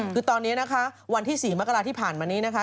คือตอนนี้นะคะวันที่๔มกราที่ผ่านมานี้นะคะ